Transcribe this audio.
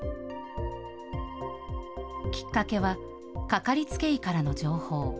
きっかけは、かかりつけ医からの情報。